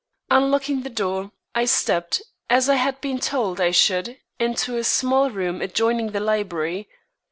Unlocking the door, I stepped, as I had been told I should, into a small room adjoining the library.